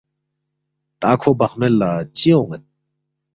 تا کھو بخمید لہ چِہ اون٘ید